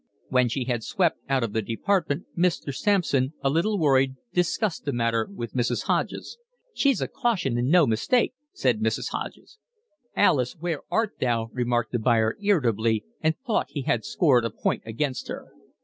When she had swept out of the department Mr. Sampson, a little worried, discussed the matter with Mrs. Hodges. "She's a caution and no mistake," said Mrs. Hodges. "Alice, where art thou?" remarked the buyer, irritably, and thought he had scored a point against her.